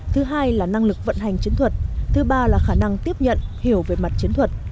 thứ hai là năng lực vận hành chiến thuật thứ ba là khả năng tiếp nhận hiểu về mặt chiến thuật